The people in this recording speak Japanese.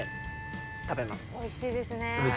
おいしいですね。